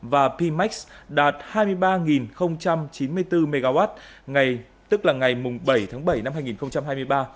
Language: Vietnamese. và pmax đạt hai mươi ba chín mươi bốn mw ngày bảy tháng bảy năm hai nghìn hai mươi ba